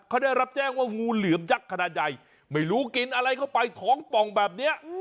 เขาได้รับแจ้งว่างูเหลือมยักษ์ขนาดใหญ่ไม่รู้กินอะไรเข้าไปท้องป่องแบบนี้